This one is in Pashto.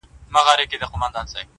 • خلک خپل ژوند ته ځي,